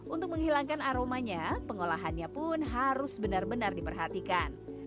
untuk menghilangkan aromanya pengolahannya pun harus benar benar diperhatikan